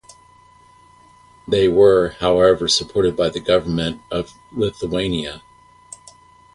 They were, however, supported by the government of Lithuania.